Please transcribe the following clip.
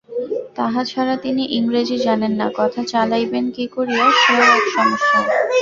তাহা ছাড়া তিনি ইংরাজি জানেন না, কথা চালাইবেন কী করিয়া সেও এক সমস্যা।